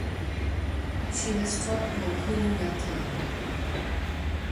She has taught Mohiniyattam.